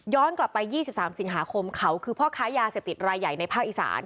กลับไป๒๓สิงหาคมเขาคือพ่อค้ายาเสพติดรายใหญ่ในภาคอีสาน